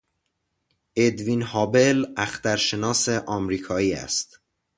ادوین هابل اخترشناس آمریکایی است.